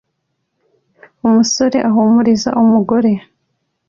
Umusore ahumuriza umugore